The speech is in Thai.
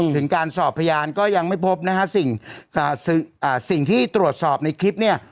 ถึงการสอบพยานก็ยังไม่พบนะฮะสิ่งที่ตรวจสอบในคลิปเนี่ย